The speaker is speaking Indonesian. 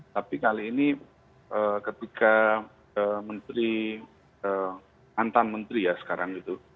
tapi kali ini ketika menteri mantan menteri ya sekarang gitu